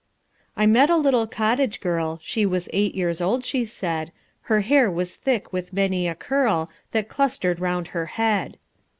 "I met a little cottage girl, She was eight years old she said, Her hair was thick with many a curl That clustered round her head."